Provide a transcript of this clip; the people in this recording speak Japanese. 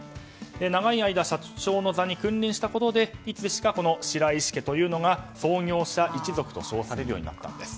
長い間社長の座に君臨したことでいつしかこの白石家というのが創業者一族と称されるようになったんです。